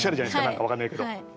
何か分からないけど。